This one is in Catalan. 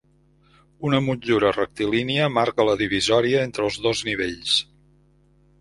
Una motllura rectilínia marca la divisòria entre els dos nivells.